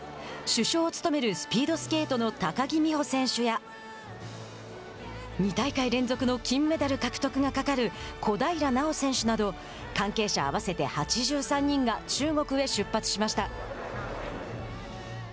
主将を務めるスピードスケートの高木美帆選手や２大会連続の金メダル獲得がかかる小平奈緒選手など関係者合わせて８３人が中国へ出発しました。